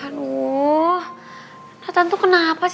ibu mau berubah